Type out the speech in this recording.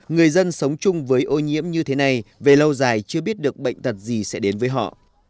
người dân sống chung với ô nhiễm như thế này về lâu dài chưa biết được bệnh tật gì sẽ đến với họ